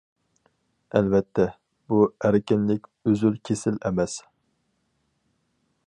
ئەلۋەتتە، بۇ ئەركىنلىك ئۈزۈل- كېسىل ئەمەس.